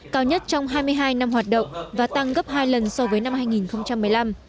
cao nhất trong hai mươi hai năm hoạt động và tăng gấp hai lần so với năm hai nghìn một mươi năm